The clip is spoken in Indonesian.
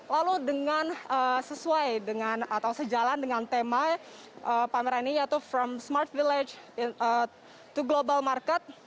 lalu dengan sesuai dengan atau sejalan dengan tema pameran ini yaitu from smart village to global market